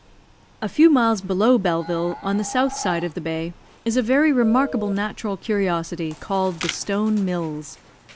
A few miles below Belleville, on the south side of the bay, is a very remarkable natural curiosity, called "The Stone Mills."